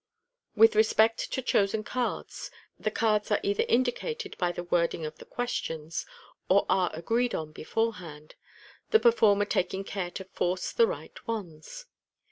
With respect to chosen cards, the cards are either indi cated by the wording of the questions, or are agreed on beforehand, the performer taking care to " force " the right ones.